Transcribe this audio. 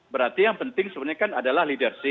berarti yang penting sebenarnya kan adalah leadership